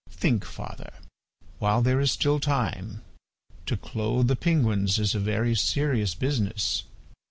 Think, father, while there is still time! To clothe the penguins is a very serious business.